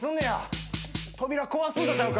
扉壊すんとちゃうか？